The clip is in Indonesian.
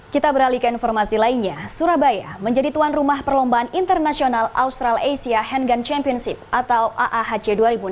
kita beralih ke informasi lainnya surabaya menjadi tuan rumah perlombaan internasional australia asia hand gun championship atau aahc dua ribu enam belas